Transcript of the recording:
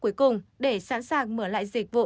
cuối cùng để sẵn sàng mở lại dịch vụ